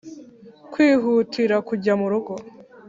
kwihutira kujya mu rugo.